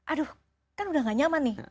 aduh kan udah gak nyaman nih